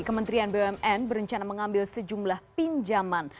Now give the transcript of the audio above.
kementerian bumn berencana mengambil sejumlah pinjaman